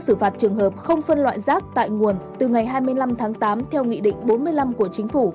xử phạt trường hợp không phân loại rác tại nguồn từ ngày hai mươi năm tháng tám theo nghị định bốn mươi năm của chính phủ